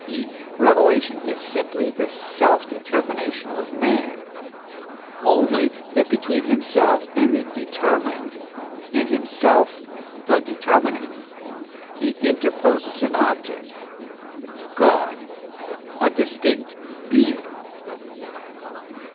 e., revelation is simply the self determination of man, only that between himself the determined, and himself the determining, he interposes an object God, a distinct being.